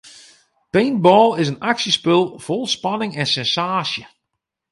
Paintball is in aksjespul fol spanning en sensaasje.